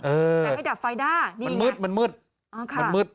เออแต่ให้ดับไฟได้นี่มันมืดมันมืดอ่าค่ะมันมืด